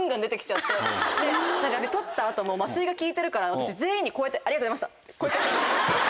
取った後も麻酔が効いてるから私全員にこうやってありがとうございましたって。